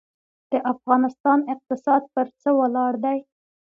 د افغانستان اقتصاد پر څه ولاړ دی؟